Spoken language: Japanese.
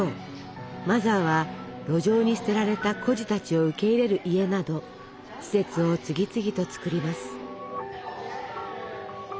マザーは路上に捨てられた孤児たちを受け入れる家など施設を次々とつくります。